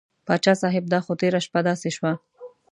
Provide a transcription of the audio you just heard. پاچا صاحب دا خو تېره شپه داسې شوه.